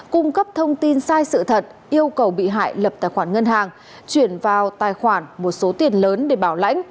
cung cấp thông tin sai sự thật yêu cầu bị hại lập tài khoản ngân hàng chuyển vào tài khoản một số tiền lớn để bảo lãnh